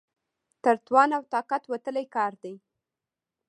تر توان او طاقت وتلی کار دی.